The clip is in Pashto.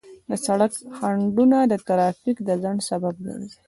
د سړک خنډونه د ترافیک د ځنډ سبب ګرځي.